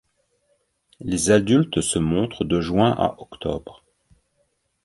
Les adultes se montrent de juin à octobre.